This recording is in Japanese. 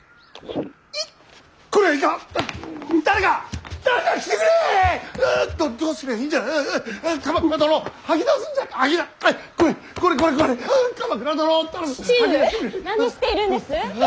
何しているんです！